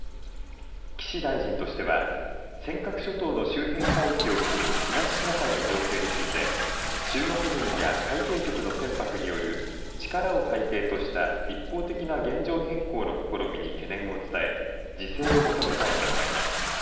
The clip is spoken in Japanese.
岸大臣としては尖閣諸島の周辺海域を含む東シナ海の情勢について中国軍や海警局の船舶による力を背景とした一方的な現状変更の試みに懸念を伝え自制を求めたい考えです。